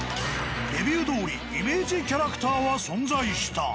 レビューどおりイメージキャラクターは存在した。